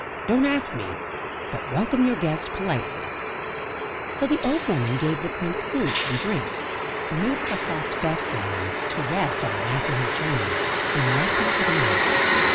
"Don't ask me; but welcome your guest politely." So the old woman gave the prince food and drink, made up a soft bed for him, to rest on after his journey, and left him for the night.